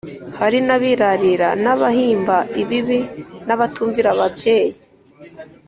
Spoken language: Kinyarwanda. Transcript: hari n’abirarira n’abahimba ibibi n’abatumvira ababyeyi